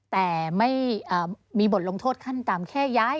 แต่ไม่มีบทลงโทษขั้นต่ำแค่ย้าย